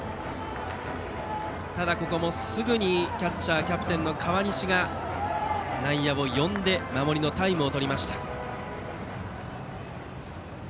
ただ、ここもすぐキャッチャーでキャプテンの河西が内野を呼んで守りのタイムをとりました。